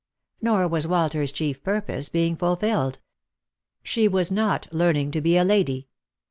Nor was Walter's chief purpose being fulfilled. She was not learning to be a lady.